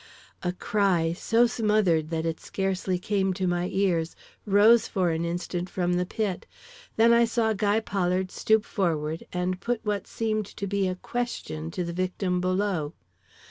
"A cry, so smothered that it scarcely came to my ears, rose for an instant from the pit, then I saw Guy Pollard stoop forward and put what seemed to be a question to the victim below.